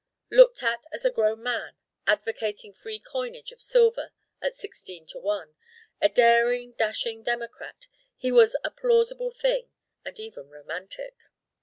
Looked at as a grown man, advocating free coinage of silver at sixteen to one a daring dashing Democrat, he was a plausible thing and even romantic.